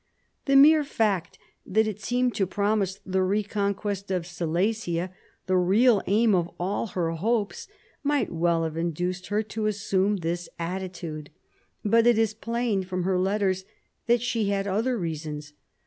The mere fact that it seemed to promise the reconquest of Silesia, the real aim of all her hopes, might well have induced her to assume this attitude; but it is plain from her letters that she had other reasons.